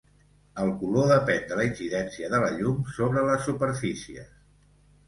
El color depèn de la incidència de la llum sobres les superfícies.